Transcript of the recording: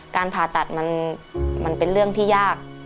การผ่าตัดมันเป็นเรื่องที่ยาก